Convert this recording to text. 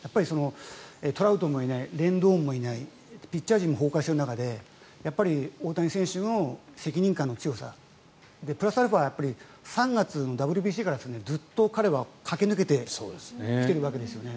トラウトもいないレンドンもいないピッチャー陣も崩壊している中で大谷選手の責任感の強さプラスアルファ３月のＷＢＣからずっと彼は駆け抜けてきてるわけですよね。